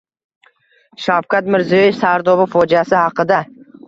Shavkat Mirziyoyev — Sardoba fojiasi haqida